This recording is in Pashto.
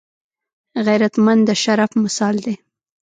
غیرتمند د شرف مثال دی